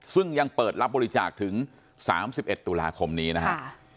ซึ่งยังเปิดรับบริจาคถึง๓๑ตุลาคมนี้นะครับ